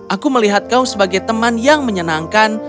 aku melihat kau sebagai teman yang menyenangkan